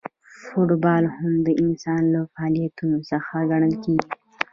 فوټبال هم د انسان له فعالیتونو څخه ګڼل کیږي.